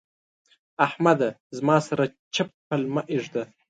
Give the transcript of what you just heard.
احمده! زما سره چپ پل مه اېږده.